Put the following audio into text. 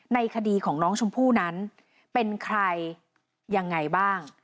ในคดีของน้องชมพู่นั้นเป็นใครยังไงบ้าง